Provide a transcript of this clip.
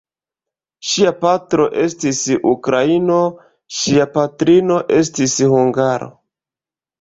Ŝia patro estis ukraino, ŝia patrino estis hungaro.